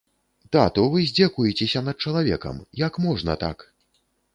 Тату, вы здзекуецеся над чалавекам, як можна так.